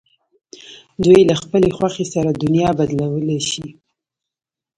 دوی له خپلې خوښې سره دنیا بدلولای شي.